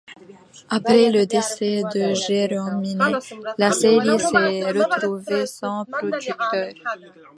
Après le décès de Jérôme Minet, la série s'est retrouvée sans producteur.